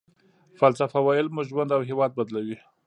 فلسفه ويل مو ژوند او هېواد بدلوي.